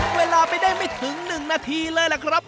ขับเวลาไปได้ไม่ถึงหนึ่งนาทีเลยละครับ